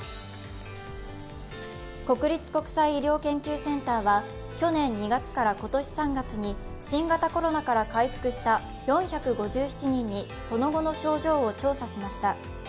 国立国際医療研究センターは去年２月から今年３月に新型コロナから回復した４５７人にその後の症状を調査しました。